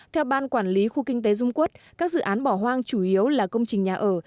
theo ban quản lý khu kinh tế dung quốc các dự án bỏ hoang chủ yếu là công trình nhà ở